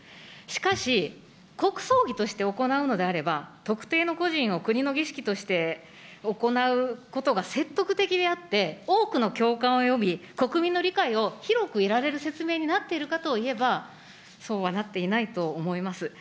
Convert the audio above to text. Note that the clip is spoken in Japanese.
しかし、国葬儀として行うのであれば、特定の故人を国の儀式として行うことが説得的であって、多くの共感を呼び、国民の理解を広く得られる説明になっているかといえば、そうはなっていないと思います。